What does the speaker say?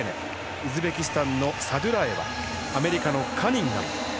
ウズベキスタンのサドゥラエワアメリカのカニンガム